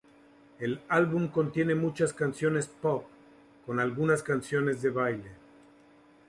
El álbum contiene muchas canciones pop con algunas canciones de baile.